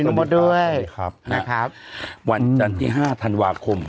หนุ่มมาด้วยครับนะครับวันจันทิ์ห้าธรรมดาข่ม